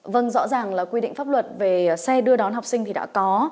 vâng rõ ràng là quy định pháp luật về xe đưa đón học sinh thì đã có